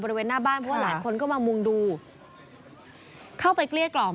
บริเวณหน้าบ้านเพราะว่าหลายคนก็มามุ่งดูเข้าไปเกลี้ยกล่อม